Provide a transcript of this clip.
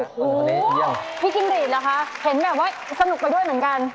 โอ้โหพี่จิ้งรีดเหรอคะเห็นแบบว่าสนุกไปด้วยเหมือนกัน